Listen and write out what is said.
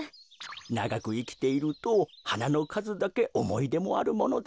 ながくいきているとはなのかずだけおもいでもあるものですよ。